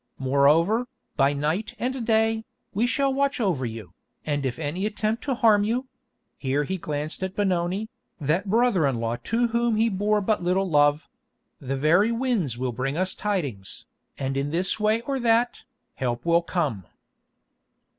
Moreover, by night and day, we shall watch over you, and if any attempt to harm you—" here he glanced at Benoni, that brother in law to whom he bore but little love—"the very winds will bear us tidings, and in this way or that, help will come."